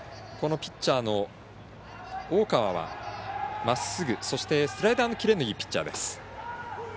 ピッチャーの大川は、まっすぐそして、スライダーのキレのいいピッチャーです。